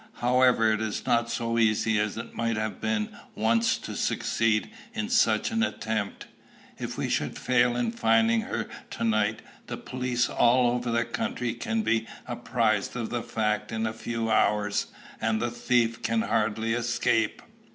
However, it is not so easy as it might have been once to succeed in such an attempt. If we should fail in finding her to night, the police all over the country can be apprised of the fact in a few hours, and the thief can hardly escape."